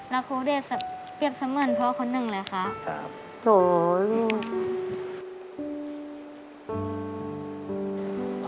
แล้วครูได้เปรียบเสมือนพ่อคนนึงเลยค่ะ